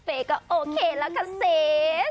เฟย์ก็โอเคแล้วค่ะเซส